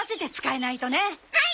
はい！